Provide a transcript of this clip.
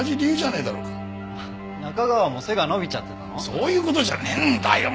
そういう事じゃねえんだよ！